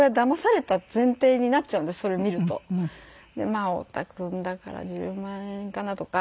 「まあ太田君だから１０万円かな」とか。